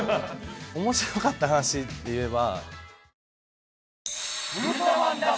面白かった話でいえば。